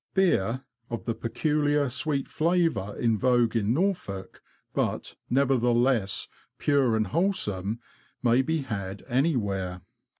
Beer, of the peculiar sweet flavour in vogue in Norfolk, but, nevertheless, pure and wholesome, may be had anywhere.